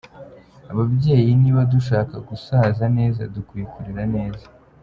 Ababyeyi niba dushaka gusaza neza dukwiye kurera neza.